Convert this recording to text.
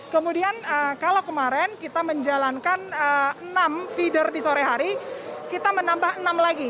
kemudian kalau kemarin kita menjalankan enam feeder di sore hari kita menambah enam lagi